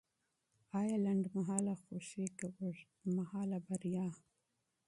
ایا لنډمهاله خوښي که اوږدمهاله بریا؟